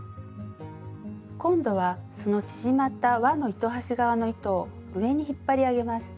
今度はその縮まったわの糸端側の糸を上に引っ張り上げます。